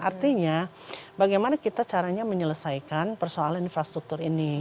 artinya bagaimana kita caranya menyelesaikan persoalan infrastruktur ini